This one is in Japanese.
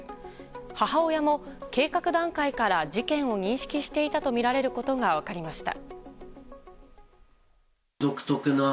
母親も計画段階から事件を認識していたとみられることが分かりました。